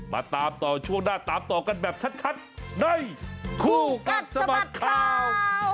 มาตามต่อช่วงหน้าตามต่อกันแบบชัดในคู่กัดสะบัดข่าว